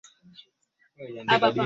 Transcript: Maskini huwa hapendwi